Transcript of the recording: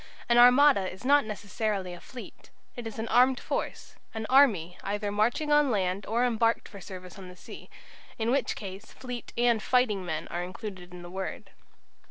An "armada" is not necessarily a fleet. It is an armed force, an "army" either marching on land or embarked for service on the sea, in which case fleet and fighting men are included in the word.